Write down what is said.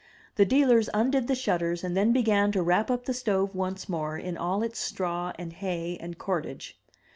The dealers undid the shutters, and then began to wrap up the stove once more in all its straw and hay and cordage.